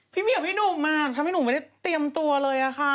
ไม่อยากให้พี่หนุ่มมากทำให้หนูไม่ได้เตรียมตัวเลยอะค่ะ